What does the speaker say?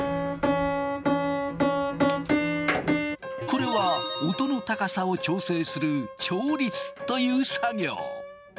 これは音の高さを調整する調律という作業。